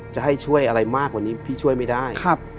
จะให้ช่วยอะไรมากกว่านี้พี่ช่วยไม่ได้